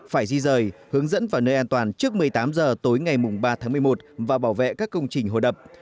phải di rời hướng dẫn vào nơi an toàn trước một mươi tám h tối ngày ba tháng một mươi một và bảo vệ các công trình hồ đập